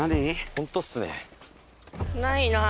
ホントっすね。